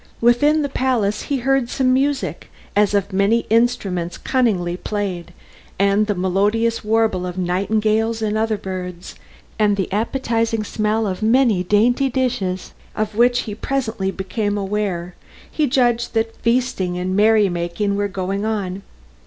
Within the palace he heard some music, as of many instruments cunningly played, and the melodious warble of nightingales and other birds, and by this, and the appetising smell of many dainty dishes of which he presently became aware, he judged that feasting and merry making were going on.